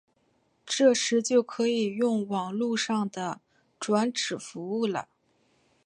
这时就可以用网路上的转址服务了。